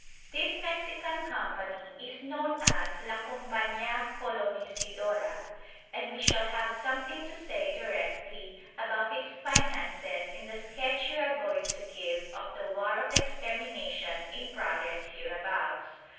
This Mexican company is known as La Compañía Colonisidora, and we shall have something to say directly about its finances in the sketch we are going to give of the war of extermination in progress hereabouts.